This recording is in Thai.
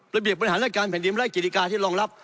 ระเบียบปัญหาและการแผ่นดินไล่กิริกาที่รองรับ